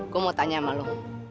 gue mau tanya sama lo